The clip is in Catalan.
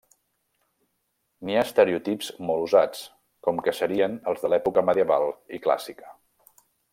N'hi ha estereotips molt usats com que serien els de l'època medieval i clàssica.